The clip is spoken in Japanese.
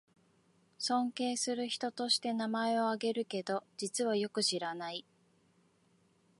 尊敬する人として名前をあげるけど、実はよく知らない